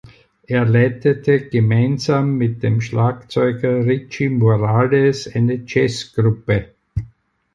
Er leitete gemeinsam mit dem Schlagzeuger Richie Morales eine Jazzgruppe.